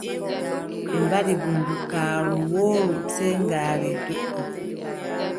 Ɓe mbaɗi bundugaaru wooru sey ngaari doʼi.